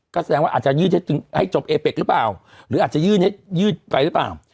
ก็แสดงว่าอาจจะยืดให้จบเอเป็กหรือเปล่าหรืออาจจะยื่นให้ยืดไปหรือเปล่า